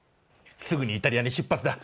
すぐにイタリアに出発だ。